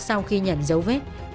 sau khi nhận dấu vết